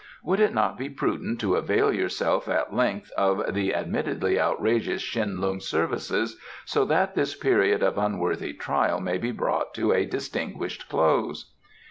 Would it not be prudent to avail yourself at length of the admittedly outrageous Tsin Lung's services, so that this period of unworthy trial may be brought to a distinguished close?"